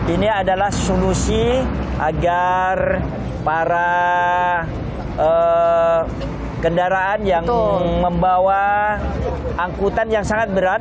ini adalah solusi agar para kendaraan yang membawa angkutan yang sangat berat